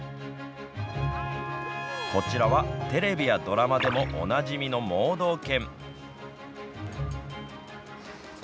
こちらはテレビやドラマでもおなじみの盲導犬。